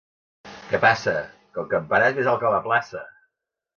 Què passa? —Que el campanar és més alt que la plaça!